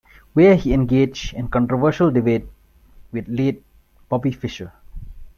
Where he engaged in controversial debate with late Bobby Fischer.